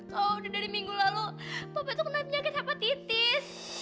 kalau udah dari minggu lalu papa tuh kenapa nyakit hepatitis